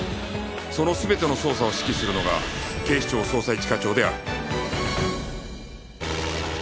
その全ての捜査を指揮するのが警視庁捜査一課長である